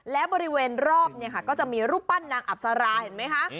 และบริเวณรอบก็จะมีรูปปั้นน้ำอับสาราเห็นไหม